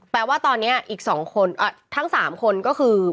แต่ตอนนี้อีกสองคนทั้งสามคนก็คือ